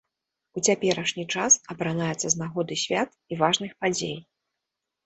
У цяперашні час апранаецца з нагоды свят і важных падзей.